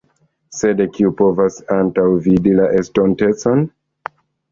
Sed kiu povas antaŭvidi la estontecon?